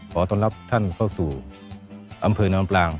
ขอต้อนรับท่านเข้าสู่อำเภอน้ำปลาง